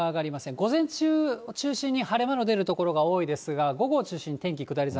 午前中中心に晴れ間の出る所が多いですが、午後を中心に天気、下り坂。